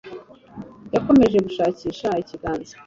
Yakomeje gushakisha ikiganza